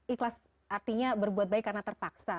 ikhlas artinya berbuat baik karena terpaksa